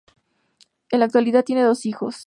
En la actualidad tienen dos hijos.